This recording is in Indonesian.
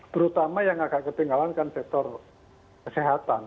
terutama yang agak ketinggalan kan sektor kesehatan